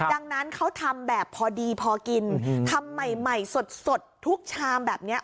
ดังนั้นเขาทำแบบพอดีพอกินทำใหม่ใหม่สดทุกชามแบบนี้